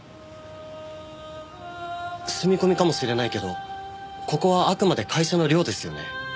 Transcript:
住み込みかもしれないけどここはあくまで会社の寮ですよね？